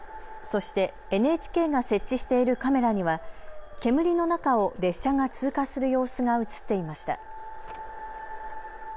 そしてＮＨＫが設置しているカメラには煙の中を列車が通過する様子が映っていました。